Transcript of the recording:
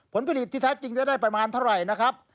ผลผลิตที่แท้จริงจะได้ประมาณเท่าไหร่นะครับ